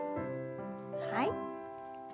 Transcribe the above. はい。